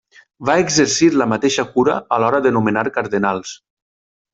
Va exercir la mateixa cura a l'hora de nomenar cardenals.